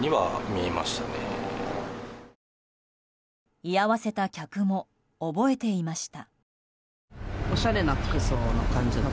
居合わせた客も覚えていました。